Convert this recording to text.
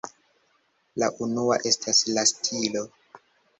La unua estas la stilo.